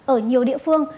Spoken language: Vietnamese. ở nhiều địa phương